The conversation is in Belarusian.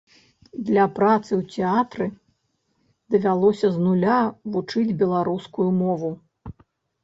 Для працы ў тэатры давялося з нуля вучыць беларускую мову.